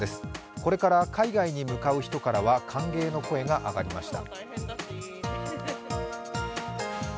これから海外に向かう人からは歓迎の声が聞かれました。